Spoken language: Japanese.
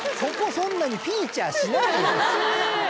そんなにフィーチャーしない！